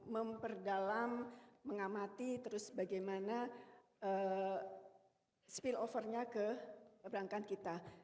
memperdalam mengamati terus bagaimana spill overnya ke perbankan kita